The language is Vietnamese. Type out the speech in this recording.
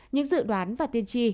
những dự đoán và tiên tri